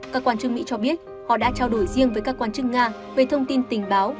các quan chức mỹ cho biết họ đã trao đổi riêng với các quan chức nga về thông tin tình báo